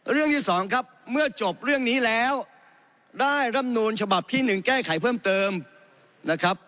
เรื่องที่สองครับเมื่อจบเรื่องนี้แล้วได้รำนูลฉบับที่๑แก้ไขเพิ่มเติมนะครับ